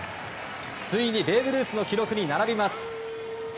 ついに、ベーブ・ルースの記録に並びます。